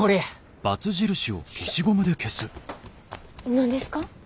何ですか？